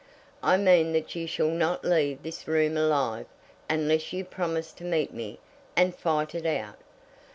"I mean that you shall not leave this room alive unless you promise to meet me, and fight it out."